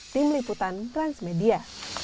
tim liputan transmedia